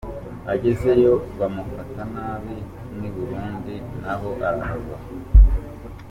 Agezey o bamufata nabi nk’I Burundi na ho arahava.